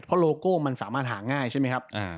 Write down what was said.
เพราะโลโก้มันสามารถหาง่ายใช่ไหมครับอ่า